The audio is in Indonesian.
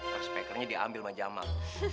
terus pekernya diambil sama jamak